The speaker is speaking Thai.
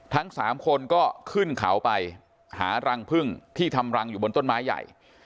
ทั้งสามคนก็ขึ้นเขาไปหารังพึ่งที่ทำรังอยู่บนต้นไม้ใหญ่